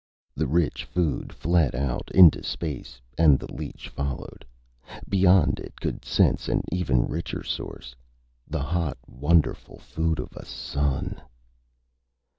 The rich food fled out, into space, and the leech followed. Beyond, it could sense an even richer source. The hot, wonderful food of a sun!